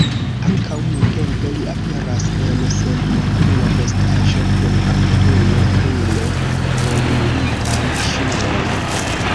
Ankaŭ nuntempe li aperas en senmakula vestaĵo, kun aktujo, brile poluritaj ŝuoj.